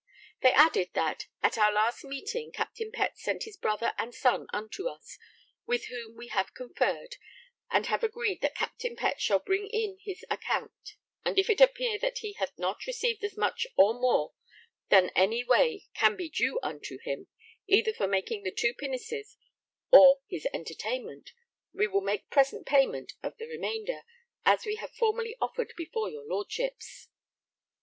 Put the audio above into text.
They added that 'at our last meeting Captain Pett sent his brother and son unto us, with whom we have conferred and have agreed that Captain Pett shall bring in his accompt, and if it appear that he hath not received as much or more than any way can be due unto him, either for making the two pinnaces or his entertainment, we will make present payment of the remainder, as we have formerly offered before your Lordships.'